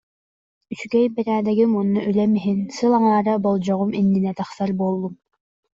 Үчүгэй бэрээдэгим уонна үлэм иһин, сыл аҥаара болдьоҕум иннинэ тахсар буоллум